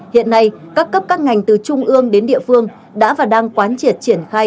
hiện nay các cấp các ngành từ trung ương đến địa phương đã và đang quán triệt triển khai